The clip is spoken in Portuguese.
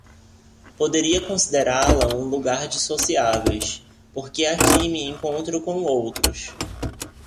poderia considerá-la um lugar de sociáveis, porque aqui me encontro com outros.